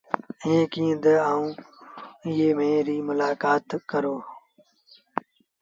ائيٚݩ ڪهين دآ تا آئو ائيٚݩ مݩهݩ ريٚ مولآڪآت ڪرو